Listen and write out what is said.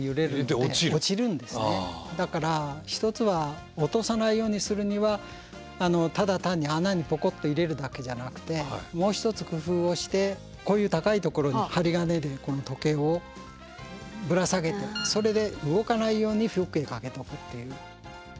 だから一つは落とさないようにするにはただ単に穴にポコッと入れるだけじゃなくてもう一つ工夫をしてこういうそれで動かないようにフックへ掛けておくっていう。